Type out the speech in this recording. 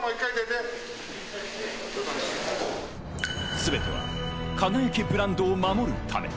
全ては輝ブランドを守るため。